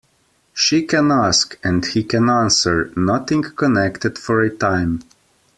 She can ask, and he can answer, nothing connected for a time.